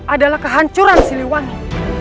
adalah kehancuran siliwangi